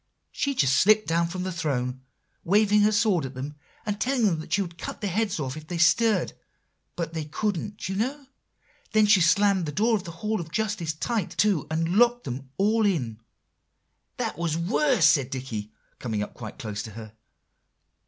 She just slipped down from the throne, waving her sword at them, and telling them she would cut their heads off if they stirred; but they couldn't, you know; then she slammed the door of the Hall of Justice tight to, and locked them all in." "That was worse," said Dicky, coming up quite close to her.